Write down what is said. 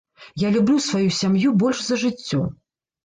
Я люблю сваю сям'ю больш за жыццё.